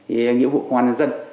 thì là nghị vụ hoàn thành dân